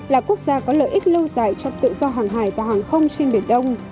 là quốc gia có lợi ích lâu dài trong tự do hàng hải và hàng không trên biển đông